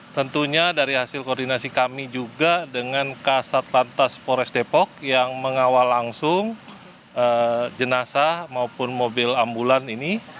tentunya dari hasil koordinasi kami juga dengan kasat lantas pores depok yang mengawal langsung jenazah maupun mobil ambulan ini